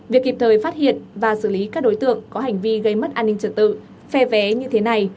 việc kịp thời phát hiện và xử lý các đối tượng có hành vi gây mất an ninh trật tự phe vé như thế này